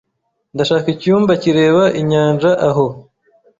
Ndashaka icyumba kireba inyanja aho.